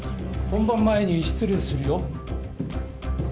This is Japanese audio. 本番前に失礼するよ